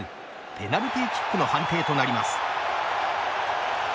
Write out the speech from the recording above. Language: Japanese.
ペナルティーキックの判定となります。